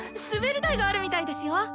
すべり台があるみたいですよ。